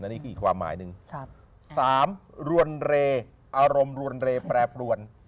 นี่คืออีกความหมายหนึ่งสามรวนเรอารมณ์รวนเรแปรปรวน